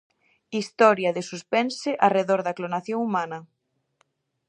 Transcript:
Historia de suspense arredor da clonación humana.